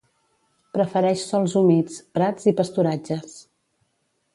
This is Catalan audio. Prefereix sòls humits, prats i pasturatges.